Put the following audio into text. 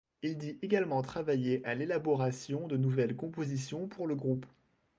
Il dit également travailler à l'élaboration de nouvelles compositions pour le groupe.